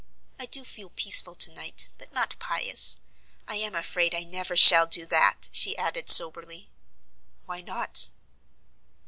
"I do feel peaceful to night, but not pious. I am afraid I never shall do that," she added soberly. "Why not?"